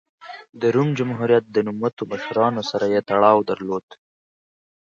د روم جمهوریت د نوموتو مشرانو سره یې تړاو درلود